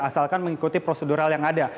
asalkan mengikuti prosedural yang ada